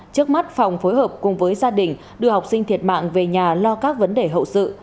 trước mắt phòng phối hợp cùng với gia đình đưa học sinh thiệt mạng về nhà lo các vấn đề hậu sự